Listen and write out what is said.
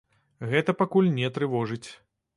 Гэта пакуль не трывожыць.